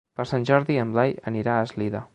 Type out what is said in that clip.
Per Sant Jordi en Blai anirà a Eslida.